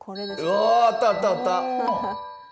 うわあったあったあった！